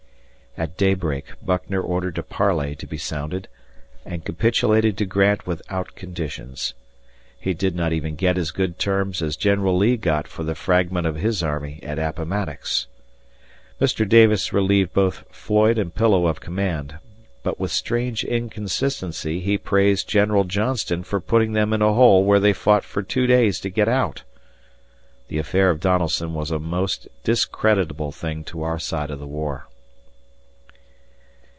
At daybreak Buckner ordered a parley to be sounded and capitulated to Grant without conditions. He did not even get as good terms as General Lee got for the fragment of his army at Appomattox. Mr. Davis relieved both Floyd and Pillow of command, but with strange inconsistency he praised General Johnston for putting them in a hole where they fought for two days to get out. The affair of Donelson was a most discreditable thing to our side of the war.